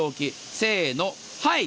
せーの、はい。